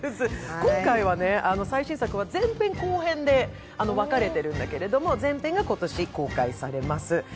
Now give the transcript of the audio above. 今回は最新作は前編と後編に分かれているんだけれども前編が今年公開されます。